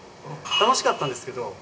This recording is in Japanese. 楽しかったんですけど。